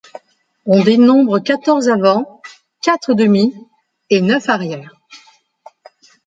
On dénombre quatorze avants, quatre demis et neuf arrières.